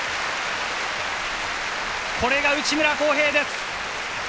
これが内村航平です。